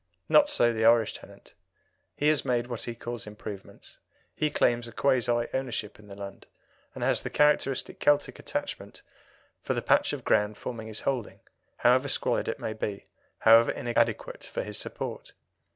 Not so the Irish tenant. He has made what he calls improvements, he claims a quasi ownership in the land, and has the characteristic Celtic attachment for the patch of ground forming his holding, however squalid it may be, however inadequate for his support.